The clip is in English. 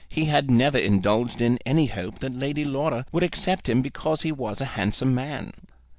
He had never indulged in any hope that Lady Laura would accept him because he was a handsome man.